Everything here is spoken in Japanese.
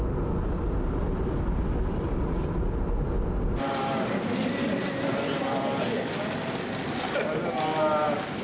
おはようございます。